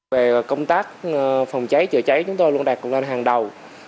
về công tác phòng cháy chữa cháy chúng tôi luôn đạt cộng đồng hàng đầu